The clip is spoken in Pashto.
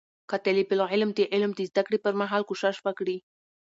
که طالب العلم د علم د زده کړې پر مهال کوشش وکړي